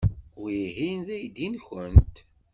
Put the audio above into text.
Wihin d aydi-nwent?